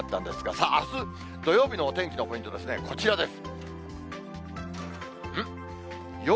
さあ、あす土曜日のお天気のポイントですね、こちらです。